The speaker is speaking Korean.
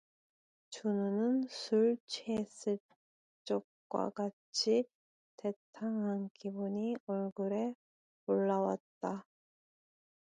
춘우는 술 취했을 적과 같이 태탕한 기운이 얼굴에 올라왔다.